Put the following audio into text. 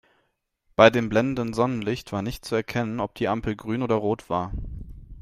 Bei dem blendenden Sonnenlicht war nicht zu erkennen, ob die Ampel grün oder rot war.